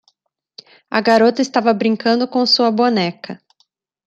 A garota estava brincando com sua boneca.